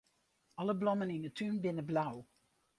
Alle blommen yn 'e tún binne blau.